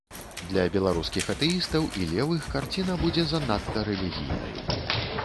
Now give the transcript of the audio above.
Для беларускіх атэістаў і левых карціна будзе занадта рэлігійнаю.